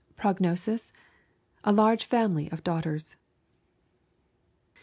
Prognosis: A large family of daughters.